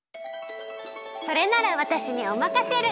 それならわたしにおまかシェル！